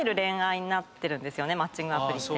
マッチングアプリって。